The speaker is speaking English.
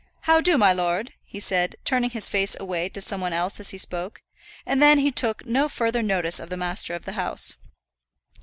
"How do, my lord?" he said, turning his face away to some one else as he spoke; and then he took no further notice of the master of the house.